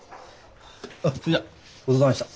あっそれじゃごちそうさまでした。